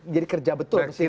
jadi kerja betul